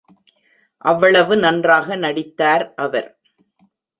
அவ்வளவு நன்றாக நடித்தார் அவர்.